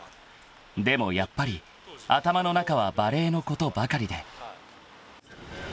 ［でもやっぱり頭の中はバレーのことばかりで］